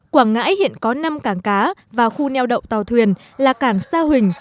quảng ngãi hiện có năm cảng cá và khu neo đậu tàu thuyền là cảng sa huỳnh